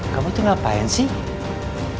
kamu tuh ngapain sih